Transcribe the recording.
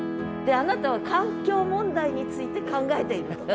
あなたは環境問題について考えていると。